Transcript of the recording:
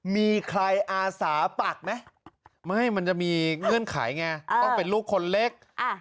มีใครอาสาปักไหมไม่มันจะมีเงื่อนไขไงต้องเป็นลูกคนเล็ก